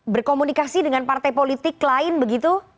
berkomunikasi dengan partai politik lain begitu